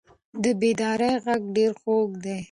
د بیدارۍ غږ ډېر خوږ دی.